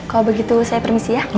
kalau begitu saya permisi ya